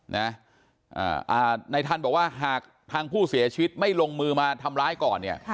นายทันบอกว่าหากทางผู้เสียชีวิตไม่ลงมือมาทำร้ายก่อนเนี่ย